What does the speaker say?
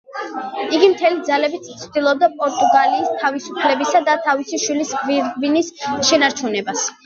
იგი მთელი ძალებით ცდილობდა პორტუგალის თავისუფლებისა და თავისი შვილის გვირგვინის შენარჩუნებას.